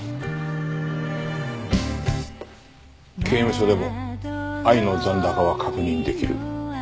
刑務所でも愛の残高は確認できる。